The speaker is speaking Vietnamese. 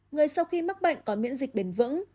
người sau khi mắc bệnh có miễn dịch bền vững